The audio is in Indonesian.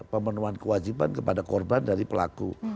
pemenuhan kewajiban kepada korban dari pelaku